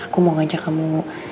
aku mau ngajak kamu